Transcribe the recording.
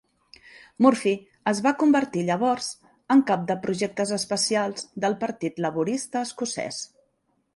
Murphy es va convertir llavors en Cap de Projectes Especials del Partit Laborista Escocès.